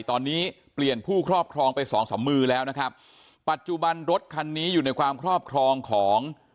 ตอนนี้เปลี่ยนผู้ครอบครองไปสองสามมือแล้วนะครับปัจจุบันรถคันนี้อยู่ในความครอบครองของ